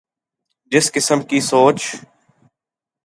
جس قسم کی سوچ ن لیگ کی ہے۔